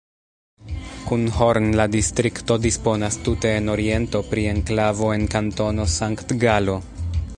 Kun Horn la distrikto disponas tute en oriento pri enklavo en Kantono Sankt-Galo.